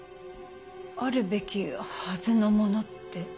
あるべきはずのものって？